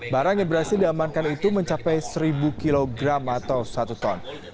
barang yang berhasil diamankan itu mencapai seribu kilogram atau satu ton